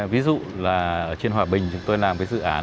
ví dụ là ở trên hòa bình chúng tôi làm cái dự án